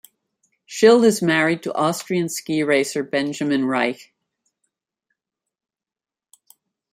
Schild is married to Austrian ski racer Benjamin Raich.